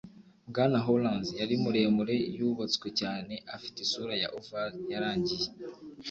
bwana howlands yari muremure, yubatswe cyane, afite isura ya oval yarangiye